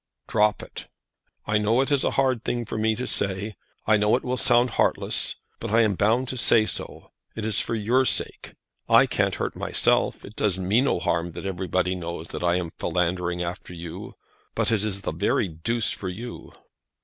"Drop it. I know it is a hard thing for me to say. I know it will sound heartless. But I am bound to say so. It is for your sake. I can't hurt myself. It does me no harm that everybody knows that I am philandering after you; but it is the very deuce for you."